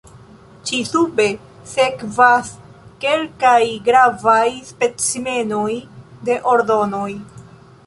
Ĉi-sube sekvas kelkaj gravaj specimenoj de ordonoj.